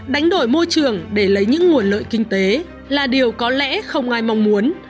đánh đổi môi trường để lấy những nguồn lợi kinh tế là điều có lẽ không ai mong muốn